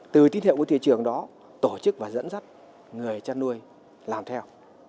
từ tín hiệu của thị trường đó tổ chức và dẫn dắt người chăn nuôi làm theo